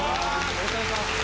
よろしくお願いします。